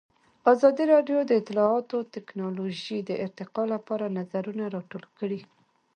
ازادي راډیو د اطلاعاتی تکنالوژي د ارتقا لپاره نظرونه راټول کړي.